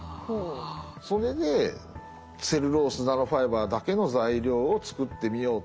それでセルロースナノファイバーだけの材料を作ってみようって。